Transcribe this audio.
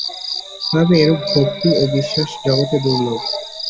তবে এরূপ ভক্তি ও বিশ্বাস জগতে দুর্লভ।